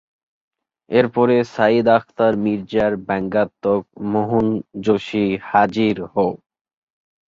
এরপরে সাইদ আখতার মির্জার ব্যঙ্গাত্মক "মোহন জোশী হাজির হো!"